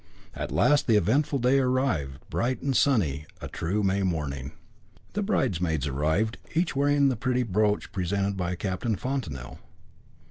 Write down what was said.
At last the eventful day arrived, bright and sunny, a true May morning. The bridesmaids arrived, each wearing the pretty brooch presented by Captain Fontanel.